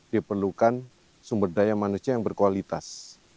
diperlukan sumber daya manusia yang berkualitas